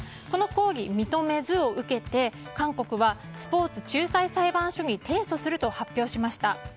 この抗議認めずを受けて韓国はスポーツ仲裁裁判所に提訴すると発表しました。